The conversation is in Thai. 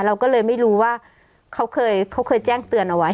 เราก็เลยไม่รู้ว่าเขาเคยแจ้งเตือนเอาไว้